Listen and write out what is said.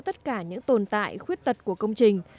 tất cả những tồn tại khuyết tật của công trình